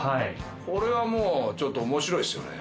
これはもうちょっと面白いですよね。